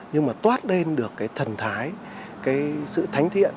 nhưng mà toát lên được cái thần thái cái sự thánh thiện